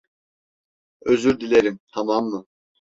Özür dilerim, tamam mı?